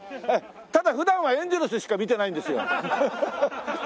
ただ普段はエンゼルスしか見てないんですよ。